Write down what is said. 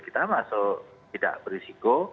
kita masuk tidak berisiko